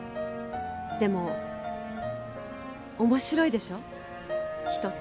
でも面白いでしょ人って。